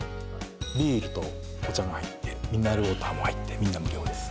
ビールとお茶が入ってミネラルウォーターも入ってみんな無料です